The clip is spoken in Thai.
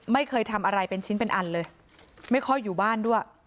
ไม่เคยทำอะไรเป็นชิ้นเป็นอันเลยไม่ค่อยอยู่บ้านด้วย